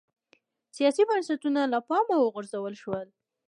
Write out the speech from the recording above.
سیاسي بنسټونه له پامه وغورځول شول